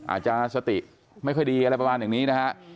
อาจจะสติไม่ค่อยดีอะไรประมาณอย่างนี้นะฮะ